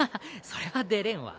それは出れんわ。